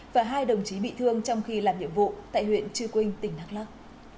và hai đồng chí bị thương trong khi làm nhiệm vụ tại huyện chư quynh tỉnh đắk lắc